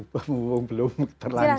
bukankah belum terlanjur